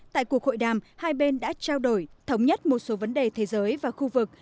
tại cuộc hội đàm hai bên đã trao đổi thống nhất một số vấn đề thế giới và khu vực